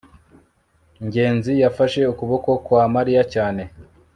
ngenzi yafashe ukuboko kwa mariya cyane